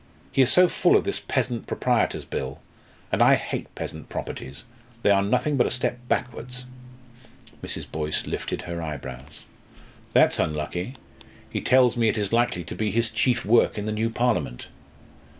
He is so full of this Peasant Proprietors Bill. And I hate peasant properties. They are nothing but a step backwards." Mrs. Boyce lifted her eyebrows. "That's unlucky. He tells me it is likely to be his chief work in the new Parliament.